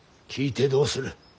聞いてどうする。